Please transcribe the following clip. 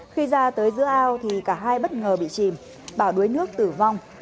khi ra tới giữa ao thì cả hai bất ngờ bị chìm bà đuối nước tử vong